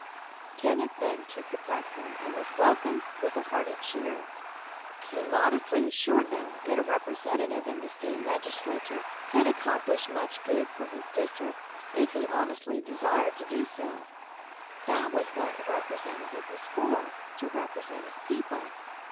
Kenneth then took the platform and was welcomed with a hearty cheer. He modestly assured them that a Representative in the State Legislature could accomplish much good for his district if he honestly desired to do so. That was what a Representative was for to represent his people.